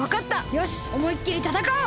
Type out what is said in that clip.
よしおもいっきりたたかおう！